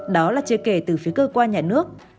đó là chưa kể từ phía cơ quan nhà nước